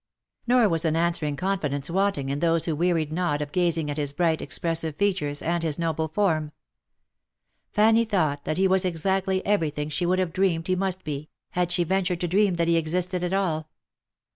Nor was an answering confidence wanting in those who wearied not of gazing at his bright, expressive features, and his noble form. Fanny thought that he was exactly every thing she would have dreamed he must be, had she ventured to dream that he existed at all.